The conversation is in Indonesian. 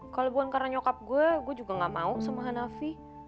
kalau bukan karena nyokap gue gue juga gak mau sama hanafi